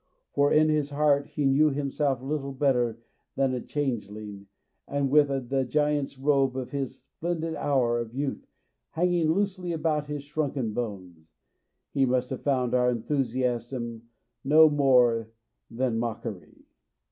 For in his heart he knew himself little better than a changeling, and with the giant's robe of his splendid hour of youth hanging loosely about his shrunken bones, he must have found our enthusiasm no more than mockery.